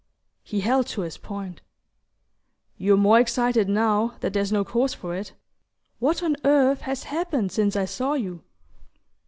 He held to his point. "You're more excited now that there's no cause for it. What on earth has happened since I saw you?"